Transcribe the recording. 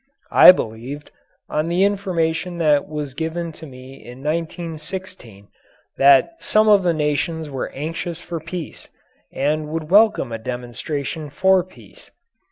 I believed, on the information that was given to me in 1916, that some of the nations were anxious for peace and would welcome a demonstration for peace.